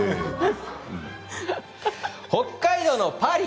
北海道のパリ！